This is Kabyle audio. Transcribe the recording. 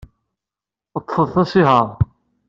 Ḍḍfet asihaṛ.